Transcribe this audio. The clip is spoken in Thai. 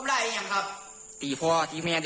เจ้ายังไม่เรียนเจ๋